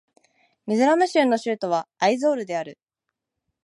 ミゾラム州の州都はアイゾールである